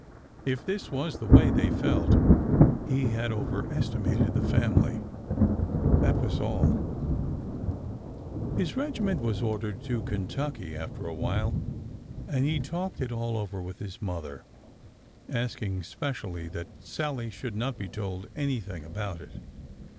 If this was the way they felt, he had overesti mated the family— that was all ! His regiment was ordered to Kentucky after a while, and he talked it all over with his mother, — asking spe cially that Sallie should not be told anything about it.